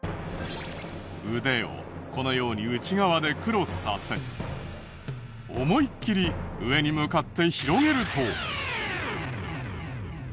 腕をこのように内側でクロスさせ思いっきり上に向かって広げると。